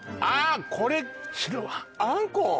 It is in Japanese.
あこれあんこ！